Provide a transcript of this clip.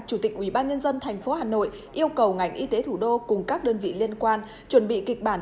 chủ tịch ubnd tp hà nội yêu cầu ngành y tế thủ đô cùng các đơn vị liên quan chuẩn bị kịch bản